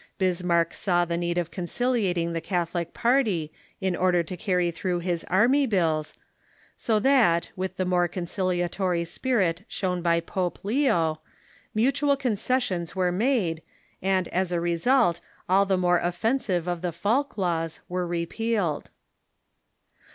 Bis marck saw the need of conciliating the Catholic party in order to carry through his army bills, so that, with the more concil iatory spirit shown by Pope Leo, mutual concessions Avere made, and as a result all the more offensive of the Falk Laws were repealed.